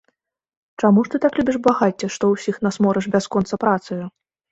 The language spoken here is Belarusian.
Чаму ж ты так любіш багацце, што ўсіх нас морыш бясконца працаю?